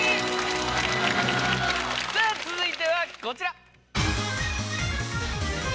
さぁ続いてはこちら。